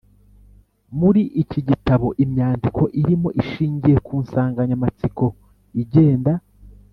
Muri iki gitabo, imyandiko irimo ishingiye ku nsanganyamatsiko igenda